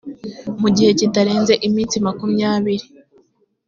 mu gihe kitarenze iminsi makumyabiri